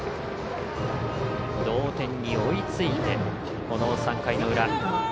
同点に追いついて、この３回の裏。